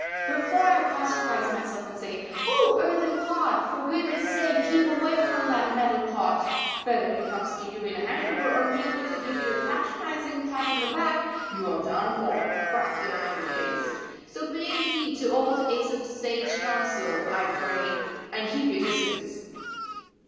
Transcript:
Wherefore I apostrophise myself and say: "O Earthen Pot! For goodness sake keep away from that Metal Pot! Whether he comes to you in anger or merely to give you a patronising pat on the back, you are done for, cracked in either case. So pay heed to old Aesop's sage counsel, I pray and keep your distance."